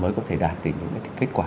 mới có thể đạt được những kết quả